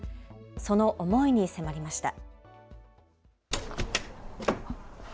その思いに迫りました。